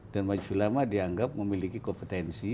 dan majululama dianggap memiliki kompetensi